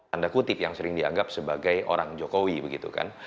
tanda kutip yang sering dianggap sebagai orang jokowi begitu kan